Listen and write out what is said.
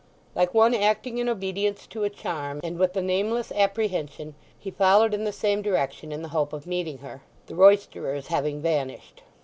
Like one acting in obedience to a charm, and with a nameless apprehension, he followed in the same direction in the hope of meeting her, the roysterers having vanished.